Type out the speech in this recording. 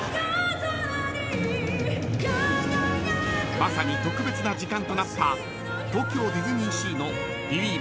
［まさに特別な時間となった東京ディズニーシーのビリーヴ！